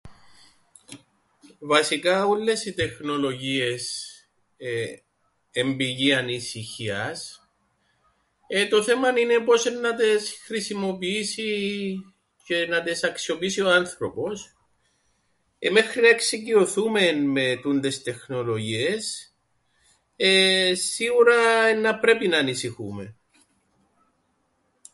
Βασικά ούλλες οι τεχνολογίες εν' πηγή ανησυχίας. Ε.. το θέμαν είναι πώς εννά τις χρησιμοποιήσει τζ̆αι να τες αξιοποιήσει ο άνθρωπος εε... μέχρι να εξοικειωθούμεν με τούντες τεχνολογίες εε... σίουρα εννά πρέπει να ανησυχούμεν.